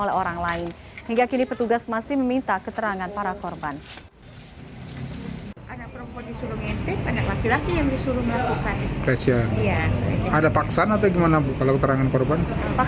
hingga kini petugas masih meminta keterangan para korban